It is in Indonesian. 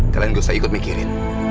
kalian gak usah ikut mikirin